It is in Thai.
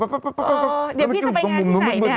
เดี๋ยวพี่จะไปงานที่ไหนเนี่ย